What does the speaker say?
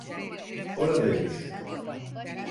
Oradaymış.